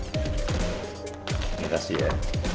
terima kasih ya